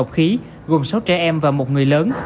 khí gồm sáu trẻ em và một người lớn